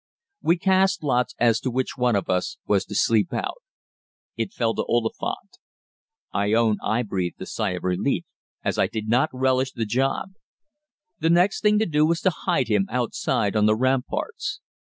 We cast lots as to which one of us was to sleep out. It fell to Oliphant. I own I breathed a sigh of relief, as I did not relish the job. The next thing to do was to hide him outside on the ramparts.